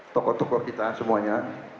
tokoh tokoh kita semuanya